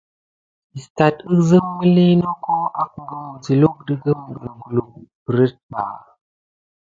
Istat gelzim miliy noko akum siluk de kumgene kuluck berinba.